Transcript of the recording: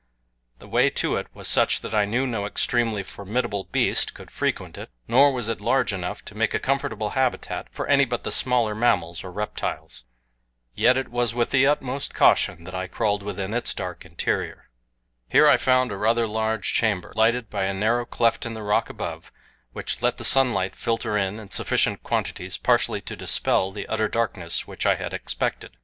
The way to it was such that I knew no extremely formidable beast could frequent it, nor was it large enough to make a comfortable habitat for any but the smaller mammals or reptiles. Yet it was with the utmost caution that I crawled within its dark interior. Here I found a rather large chamber, lighted by a narrow cleft in the rock above which let the sunlight filter in in sufficient quantities partially to dispel the utter darkness which I had expected.